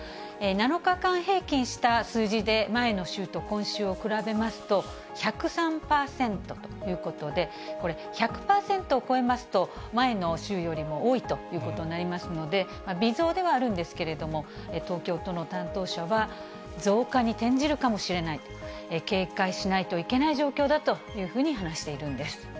７日間平均した数字で前の週と今週を比べますと、１０３％ということで、これ、１００％を超えますと、前の週よりも多いということになりますので、微増ではあるんですけれども、東京都の担当者は、増加に転じるかもしれない、警戒しないといけない状況だというふうに話しているんです。